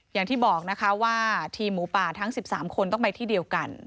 อย่างที่บอกนะคะว่าทีมหมูป่าทั้ง๑๓คนต้องไปที่เดียวกัน